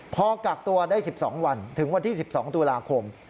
พอกักตัวได้๑๒วันถึงวันที่๑๒ตุลาคม